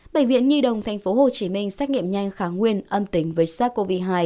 bệnh viện nhi đồng tp hcm xét nghiệm nhanh kháng nguyên âm tính với sars cov hai